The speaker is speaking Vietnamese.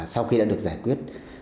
sau khi đã được giải quyết